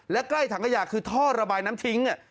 และใกล้ถังขยะคือท่อระบายน้ำทิ้ง